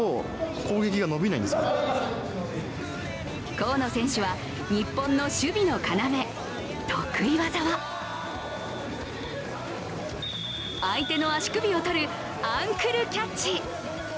河野選手は日本の守備の要、得意技は相手の足首をとるアンクルキャッチ。